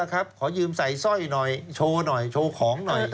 ขอยืมใส่ซอยหน่อยโชว์ของหน่อย